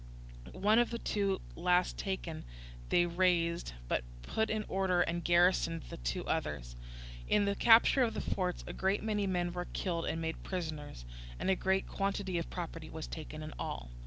One of the two last taken they razed, but put in order and garrisoned the two others. In the capture of the forts a great many men were killed and made prisoners, and a great quantity of property was taken in all.